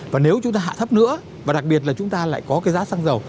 và nếu chúng ta hạ thấp nữa và đặc biệt là chúng ta lại có cái giá xăng dầu